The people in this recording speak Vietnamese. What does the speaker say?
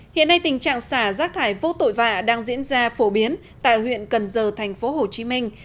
hiện nay tình trạng xả rác thải vô tội vạ đang diễn ra phổ biến tại huyện cần giờ thành phố hồ chí minh